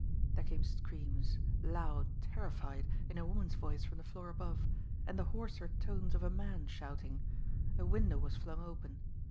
There came screams, loud, terrified, in a woman's voice from the floor above and the hoarser tones of a man shouting. A window was flung open.